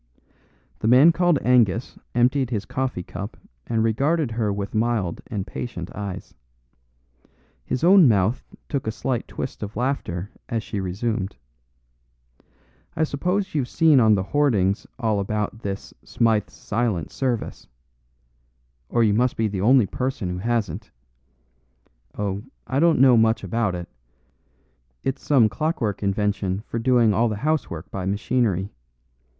The man called Angus emptied his coffee cup and regarded her with mild and patient eyes. Her own mouth took a slight twist of laughter as she resumed, "I suppose you've seen on the hoardings all about this 'Smythe's Silent Service'? Or you must be the only person that hasn't. Oh, I don't know much about it, it's some clockwork invention for doing all the housework by machinery.